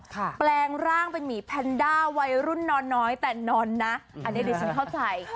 แปลงร่างเป็นหมีแพนด้าวัยรุ่นนอนน้อยแต่นอนนะอันนี้ดิฉันเข้าใจ